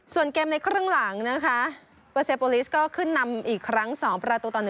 ส่วนเกมในครึ่งหลังนะคะเปอร์เซโปลิสก็ขึ้นนำอีกครั้ง๒ประตูต่อ๑